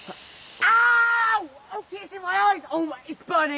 ああ。